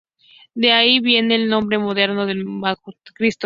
De allí viene el nombre moderno del manuscrito.